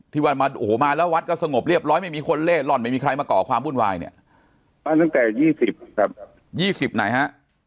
ที่วันมาโหมาแล้ววัดก็สงบเรียบร้อยไม่มีคนเล่นร่อนไม่มีใครมาก่อความบุ่นวายเนี่ยมาตั้งแต่ยี่สิบครับยี่สิบไหนฮะ